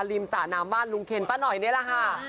สระน้ำบ้านลุงเคนป้าหน่อยนี่แหละค่ะ